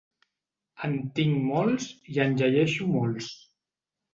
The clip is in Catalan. En tinc molts i en llegeixo molts.